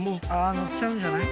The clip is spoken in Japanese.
のっちゃうんじゃない？